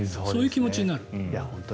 そういう気持ちになる。